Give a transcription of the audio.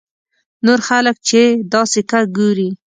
نور خلک چې دا سکه ګوري.